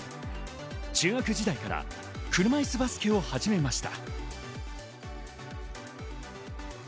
中学時代から車いすバスケを始めました。